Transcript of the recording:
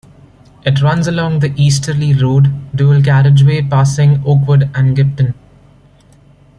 It runs along the Easterly Road dual carriageway passing Oakwood and Gipton.